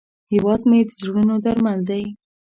هیواد مې د زړونو درمل دی